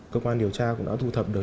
cơ quan điều tra cũng đã thu thập được